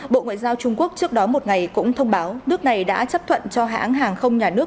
bộ ngoại giao trung quốc trước đó một ngày cũng thông báo nước này đã chấp thuận cho hãng hàng không nhà nước